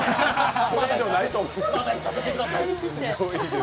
これ以上、ないと思うので。